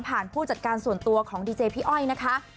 ผู้จัดการส่วนตัวของดีเจพี่อ้อยนะคะ